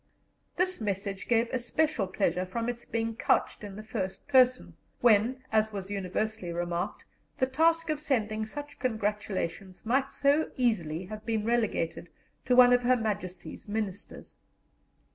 This message gave especial pleasure from its being couched in the first person, when, as was universally remarked, the task of sending such congratulations might so easily have been relegated to one of Her Majesty's Ministers.